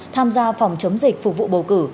tham gia phòng chống dịch phục vụ bầu cử